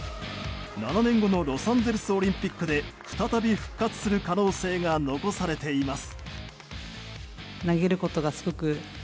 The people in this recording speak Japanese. ７年後のロサンゼルスオリンピックで再び復活する可能性が残されています。